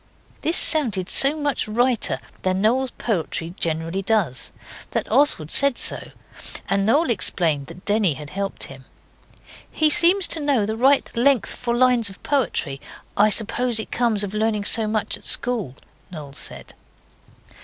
This sounded so much righter than Noel's poetry generally does, that Oswald said so, and Noel explained that Denny had helped him. 'He seems to know the right length for lines of poetry. I suppose it comes of learning so much at school,' Noel said.